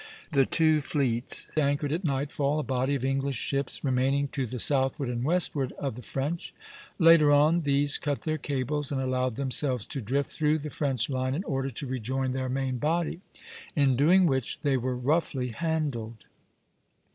The two fleets anchored at nightfall (B, B, B), a body of English ships (B') remaining to the southward and westward of the French, Later on, these cut their cables and allowed themselves to drift through the French line in order to rejoin their main body; in doing which they were roughly handled.